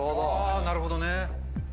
あなるほどね。